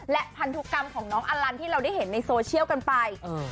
และพันธุกรรมของน้องอลันที่เราได้เห็นในโซเชียลกันไป